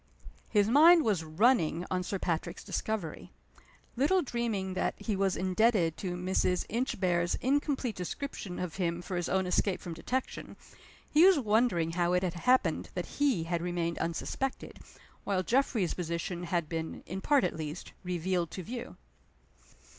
His mind was running on Sir Patrick's discovery. Little dreaming that he was indebted to Mrs. Inchb are's incomplete description of him for his own escape from detection, he was wondering how it had happened that he had remained unsuspected, while Geoffrey's position had been (in part at least) revealed to view.